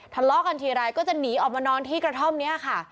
ทะเลาะกันทีไรก็จะหนีออกมานอนที่กระท่อมนี้ค่ะ